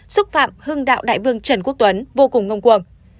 xúc phạm hưng đạo đại vương trần quốc tuấn vô cùng ngông cuồng